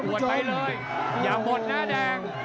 อวดไปเลยอย่าหมดนะแดง